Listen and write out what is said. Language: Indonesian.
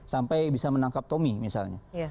sampai bisa menangkap tommy misalnya